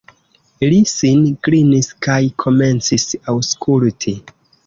Li sin klinis kaj komencis aŭskulti.